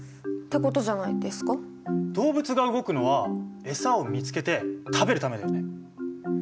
動物が動くのはエサを見つけて食べるためだよね。